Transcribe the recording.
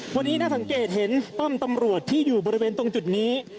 วันนี้น่าสังเกตเห็นป้อมตำรวจที่อยู่บริเวณตรงจุดนี้